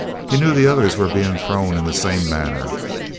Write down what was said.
He knew the others were being thrown in the same manner.